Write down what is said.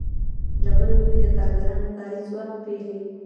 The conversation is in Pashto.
له بل لوري د کارګرانو کاري ځواک پېري